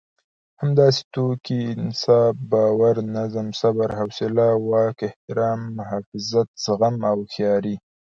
همداسې ټوکې، انصاف، باور، نظم، صبر، سوله، واک، احترام، محافظت، زغم او هوښياري.